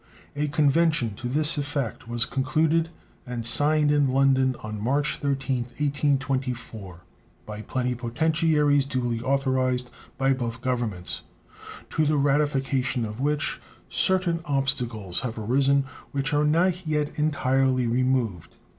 A convention to this effect was concluded and signed in London on March 13th, 1824, by plenipotentiaries duly authorized by both Governments, to the ratification of which certain obstacles have arisen which are not yet entirely removed.